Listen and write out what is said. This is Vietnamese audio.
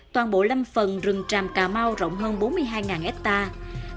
toàn bộ lâm phần rừng tràm cà mau rộng hơn bốn mươi hai hectare